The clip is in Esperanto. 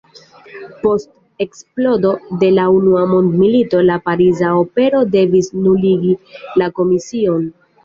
Post eksplodo de la unua mondmilito la Pariza Opero devis nuligi la komision.